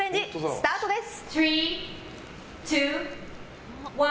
スタートです！